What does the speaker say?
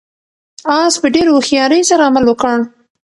آس په ډېرې هوښیارۍ سره عمل وکړ.